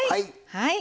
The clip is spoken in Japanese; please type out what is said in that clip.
はい。